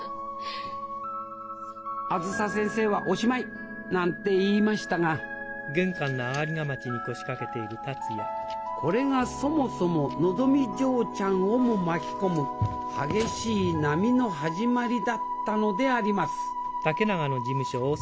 あづさ先生は「おしまい！」なんて言いましたがこれがそもそものぞみ嬢ちゃんをも巻き込む激しい波の始まりだったのであります